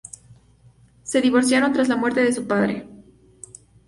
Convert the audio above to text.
Se divorciaron tras la muerte de su padre.